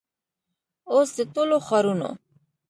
او س د ټولو ښارونو